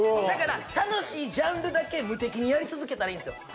だから楽しいジャンルだけ無敵にやり続けたらいいんすよ